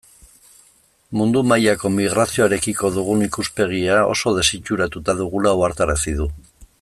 Mundu mailako migrazioarekiko dugun ikuspegia oso desitxuratuta dugula ohartarazi du.